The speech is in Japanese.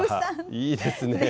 いいですね。